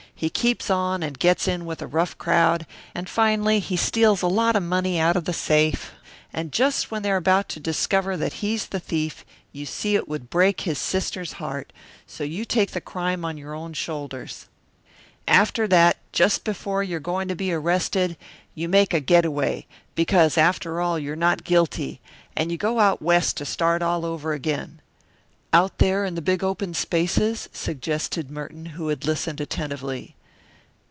He keeps on and gets in with a rough crowd, and finally he steals a lot of money out of the safe, and just when they are about to discover that he's the thief you see it would break his sister's heart so you take the crime on your own shoulders. After that, just before you're going to be arrested, you make a getaway because, after all, you're not guilty and you go out West to start all over again " "Out there in the big open spaces?" suggested Merton, who had listened attentively.